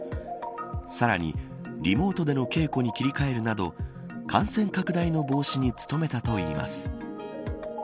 さらに、リモートでの稽古に切り替えるなど感染拡大の防止に努めたといいます。